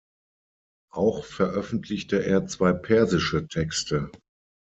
Auch veröffentlichte er zwei persische Texte.